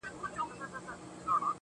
انقلابي نامي نن په نسه کي ډوب و,